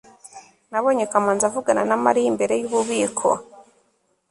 nabonye kamanzi avugana na mariya imbere yububiko